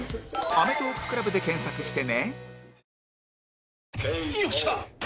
「アメトーーク ＣＬＵＢ」で検索してね